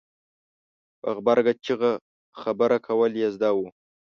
په غبرګه چېغه خبره کول یې زده وو.